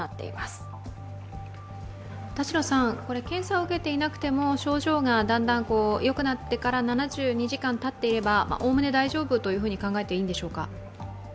検査を受けていなくても症状がだんだんよくなってから７２時間たっていれば、おおむね大丈夫と考えていいんでしょうか。